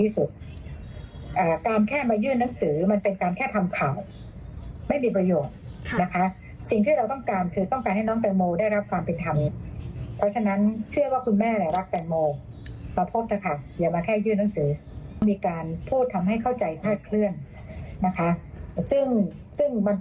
ซึ่งมันก็เป็นธรรมดาอยู่เราก็ไม่อยากค่ะ